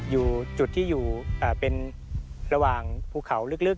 อยู่จุดที่อยู่เป็นระหว่างภูเขาลึก